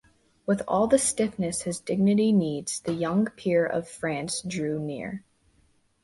With all the stiffness his dignity needs, the young peer of France drew near.